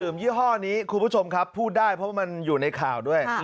ยี่ห้อนี้คุณผู้ชมครับพูดได้เพราะว่ามันอยู่ในข่าวด้วย